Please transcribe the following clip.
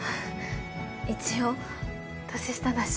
一応年下だし。